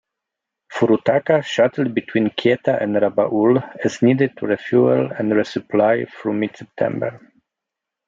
"Furutaka" shuttled between Kieta and Rabaul as needed to refuel and resupply through mid-September.